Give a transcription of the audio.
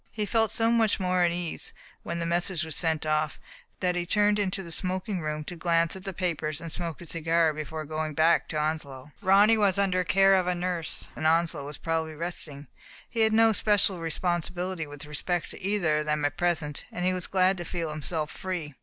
He felt so much more at ease when the mes sage was sent off, that he turned into the smoking room to glance at the papers and smoke a cigar before going back to Onslow. Ronny was under the care of a nurse, and Onslow was probably resting; he had no special responsibility with Digitized by Google ADELINE SERGEANT, 267 respect to either of them at present, and he was glad to feel himself free.